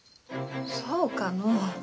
そうかのう。